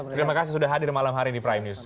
terima kasih sudah hadir malam hari di prime news